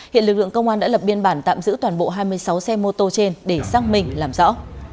hiện lực lượng công an đã lập biên bản tạm giữ toàn bộ hai mươi sáu xe mô tô trên để xác minh làm rõ